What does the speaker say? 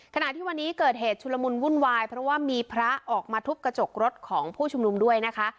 ขณะที่วันนี้เกิดเหตุชุลมุนวุ่นวายเพราะว่ามีพระออกมาทุบกระจกรถของผู้ชุมนุมด้วยนะคะ